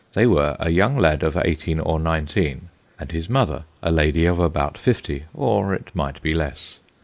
They were a young lad of eighteen or nineteen, and his mother, a lady of about fifty, or it might be less.